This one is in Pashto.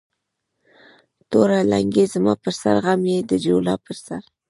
توره لنگۍ زما پر سر ، غم يې د جولا پر سر